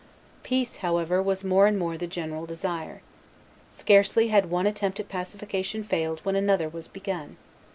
Peace, however, was more and more the general desire. Scarcely had one attempt at pacification failed when another was begun.